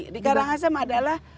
di karangasem adalah